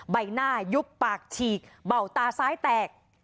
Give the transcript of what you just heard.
ใบหน้ายุบปากฉีกเบ้าตาซ้ายแตก